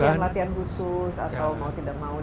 latihan latihan khusus atau mau tidak mau